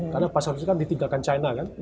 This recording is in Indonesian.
karena pasar itu kan ditinggalkan china kan